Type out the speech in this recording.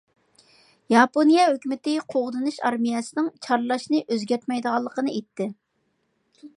ياپونىيە ھۆكۈمىتى قوغدىنىش ئارمىيەسىنىڭ چارلاشنى ئۆزگەرتمەيدىغانلىقىنى ئېيتتى.